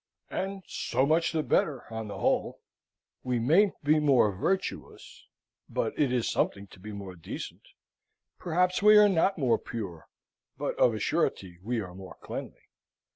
And so much the better on the whole. We mayn't be more virtuous, but it is something to be more decent: perhaps we are not more pure, but of a surety we are more cleanly.